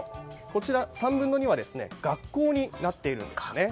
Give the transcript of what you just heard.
こちら、３分の２は学校になっているんです。